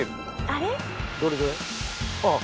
あれ？